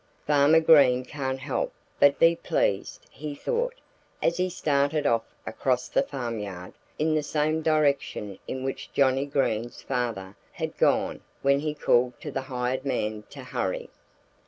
"Farmer Green can't help but be pleased," he thought, as he started off across the farmyard in the same direction in which Johnnie Green's father had gone when he called to the hired man to hurry.